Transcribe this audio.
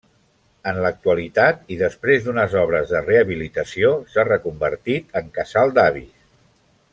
En l'actualitat, i després d'unes obres de rehabilitació, s'ha reconvertit en casal d'avis.